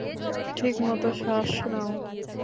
ঠিকমত শ্বাস নাও।